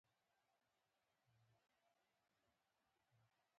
بېنډۍ له تودو خوړو سره یو نعمت دی